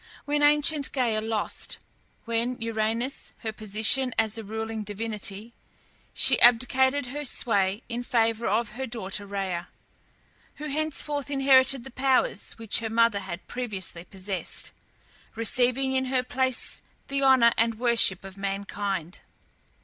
When ancient Gæa lost, with Uranus, her position as a ruling divinity, she abdicated her sway in favour of her daughter Rhea, who henceforth inherited the powers which her mother had previously possessed, receiving in her place the honour and worship of mankind.